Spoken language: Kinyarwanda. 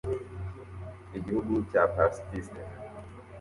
Igihugu cya parasutiste